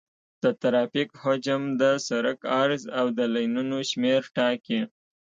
د ترافیک حجم د سرک عرض او د لینونو شمېر ټاکي